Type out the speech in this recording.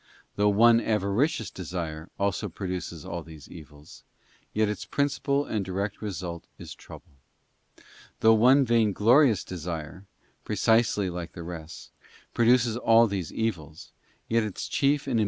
Though one avaricious desire . also produces all these evils, yet its principal and direct @) Vain result is trouble. Though one vainglorious desire, precisely like the rest, produces all these evils, yet its chief and im (4) Gluttony.